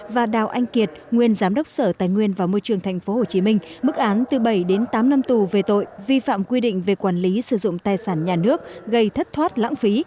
và đào anh kiệt nguyên giám đốc sở tài nguyên và môi trường tp hcm mức án từ bảy đến tám năm tù về tội vi phạm quy định về quản lý sử dụng tài sản nhà nước gây thất thoát lãng phí